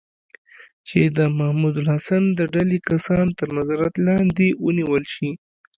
چې د محمود الحسن د ډلې کسان تر نظارت لاندې ونیول شي.